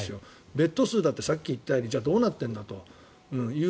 ベッド数だってさっき言ったようにどうなっているんだと。